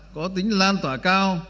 có tính lan tỏa cao